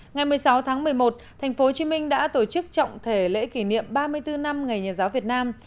ngày một mươi sáu tháng một mươi một tp hcm đã tổ chức trọng thể lễ kỷ niệm ba mươi bốn năm ngày nhà giáo việt nam